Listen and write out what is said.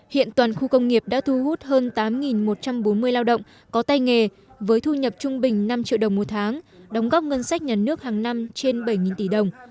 hiện toàn khu công nghiệp đã thu hút hơn tám một trăm bốn mươi lao động có tay nghề với thu nhập trung bình năm triệu đồng một tháng đóng góp ngân sách nhà nước hàng năm trên bảy tỷ đồng